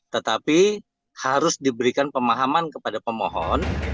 tetapi harus diberikan pemahaman kepada pemohon